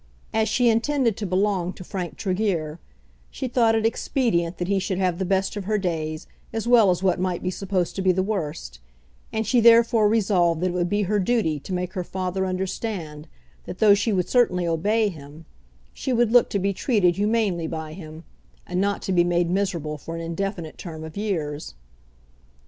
As she intended to belong to Frank Tregear, she thought it expedient that he should have the best of her days as well as what might be supposed to be the worst; and she therefore resolved that it would be her duty to make her father understand that though she would certainly obey him, she would look to be treated humanely by him, and not to be made miserable for an indefinite term of years.